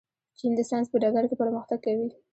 چین د ساینس په ډګر کې پرمختګ کوي.